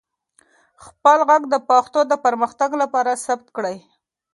خپل ږغ د پښتو د پرمختګ لپاره ثبت کړئ.